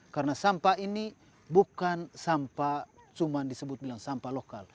karena sampah ini bukan sampah cuma disebut disebut sampah lokal